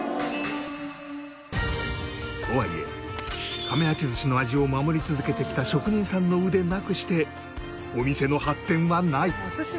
とはいえ亀八寿司の味を守り続けてきた職人さんの腕なくしてお店の発展はない。